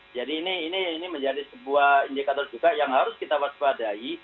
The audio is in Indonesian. jadi ini menjadi sebuah indikator juga yang harus kita waspadai